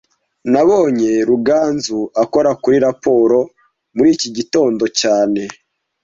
Nabonye Ruganzu akora kuri raporo muri iki gitondo cyane